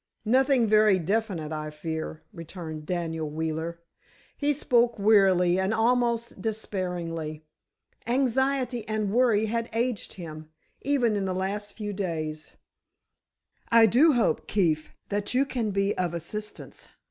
"Nothing very definite, I fear," returned Daniel Wheeler. He spoke wearily, and almost despairingly. Anxiety and worry had aged him, even in the last few days. "I do hope, Keefe, that you can be of assistance.